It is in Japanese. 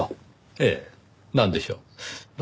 ええなんでしょう？